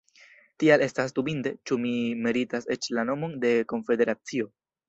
Tial estas dubinde, ĉu ĝi meritas eĉ la nomon de konfederacio.